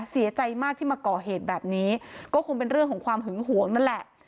เสียใจมากที่มาก่อเหตุแบบนี้ก็คงเป็นเรื่องของความหึงหวงนั่นแหละ